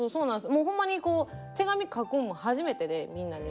もうほんまにこう手紙書くのも初めてでみんなに。